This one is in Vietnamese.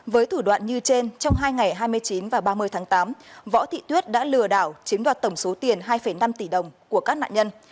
với thủ đoạn như trên trong hai ngày hai mươi chín và ba mươi tháng tám võ thị tuyết đã lừa đảo chiếm đoạt tổng số tiền hai năm tỷ đồng của các nạn nhân